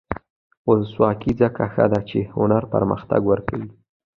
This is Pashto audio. ولسواکي ځکه ښه ده چې هنر پرمختګ ورکوي.